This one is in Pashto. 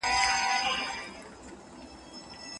که څېړونکی ماخذونه پیدا کړي نو لیکنه به اسانه سي.